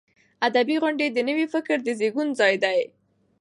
ادبي غونډې د نوي فکر د زیږون ځای دی.